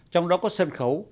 trong đó có sân khấu